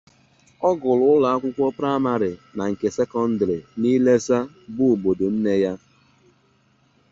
Ọ gụrụ ụlọ akwụkwọ praịmarị na nke sekọndrị na Ilesa, bụ obodo nne ya.